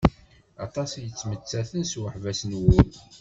Aṭas i yettmettaten s uḥbas n wul.